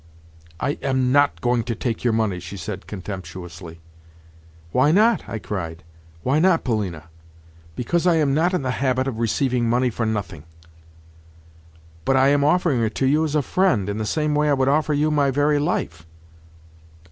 "I am not going to take your money," she said contemptuously. "Why not?" I cried. "Why not, Polina?" "Because I am not in the habit of receiving money for nothing." "But I am offering it to you as a friend. In the same way I would offer you my very life."